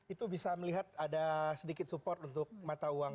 itu bisa melihat ada sedikit support untuk mata uang